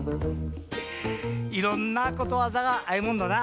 いろんなことわざがあいもんだな。